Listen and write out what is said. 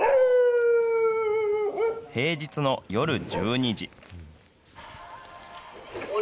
平日の夜１２時。